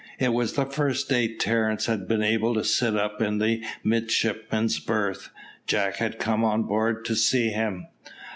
It was the first day Terence had been able to sit up in the midshipmen's berth. Jack had come on board to see him.